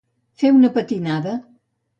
Fer una patinada.